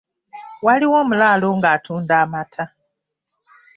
Waliwo omulaalo ng’atunda amata.